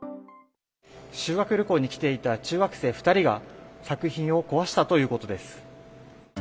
修学旅行に来ていた中学生２人が、作品を壊したということです。